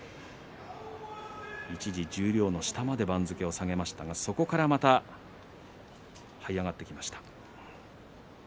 一時、十両の下まで番付を下げましたがそこからまた、はい上がってきました。